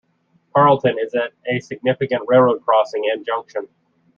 Carleton is at a significant railroad crossing and junction.